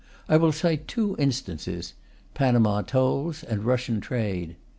I will cite two instances: Panama tolls, and Russian trade.